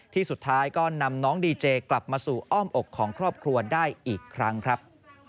สุดท้ายก็นำน้องดีเจกลับมาสู่อ้อมอกของครอบครัวได้อีกครั้งครับ